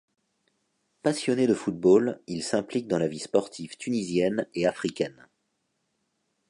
Passionné de football, il s'implique dans la vie sportive tunisienne et africaine.